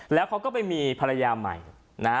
แล้วเขาก็ไปมีภรรยาใหม่นะฮะ